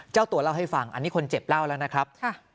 เจ้าตัวเล่าให้ฟังอันนี้คนเจ็บเล่าแล้วนะครับ